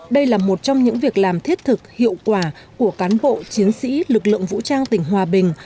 đây là một trong những việc làm thiết thực hiệu quả của cán bộ chiến sĩ lực lượng vũ trang tỉnh hòa bình